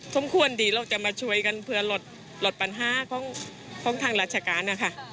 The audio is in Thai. สมควรดีเราจะมาช่วยกันเพื่อลดปัญหาของทางราชการนะคะ